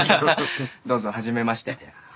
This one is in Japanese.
どうぞはじめまして。